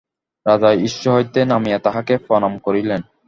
রাজা অশ্ব হইতে নামিয়া তাঁহাকে প্রণাম করিলেন।